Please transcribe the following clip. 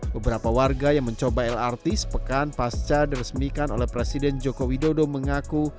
beberapa warga yang mencoba lrt sepekan pasca diresmikan oleh presiden joko widodo mengaku